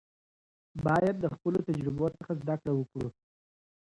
باید د خپلو تجربو څخه زده کړه وکړو.